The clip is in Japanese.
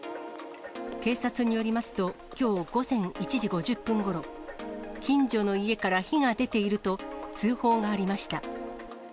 警察によりますと、きょう午前１時５０分ごろ、近所の家から火が出ていると、通報がありました。